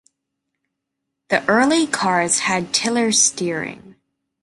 The early cars had tiller steering.